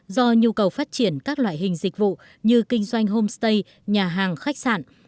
do nhu cầu phát triển các loại hình dịch vụ như kinh doanh homestay nhà hàng khách sạn